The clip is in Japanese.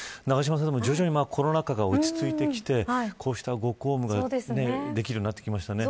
徐々にコロナ禍が落ち着いてきてこうしたご公務ができるようになってきましたね。